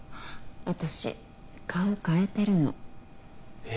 私顔変えてるのえ？